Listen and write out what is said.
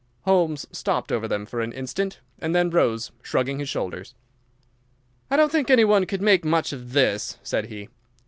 Holmes stopped over them for an instant, and then rose shrugging his shoulders. "I don't think any one could make much of this," said he.